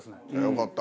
よかった。